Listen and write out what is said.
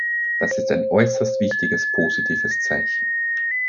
Das ist ein äußerst wichtiges positives Zeichen.